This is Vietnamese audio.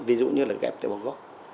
ví dụ như là ghẹp tế bào gốc